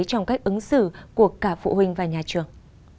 trong cách ứng xử của cả phụ huynh và nhà trường